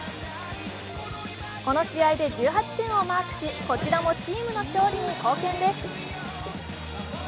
この試合で１８点をマークし、こちらもチームの勝利に貢献です。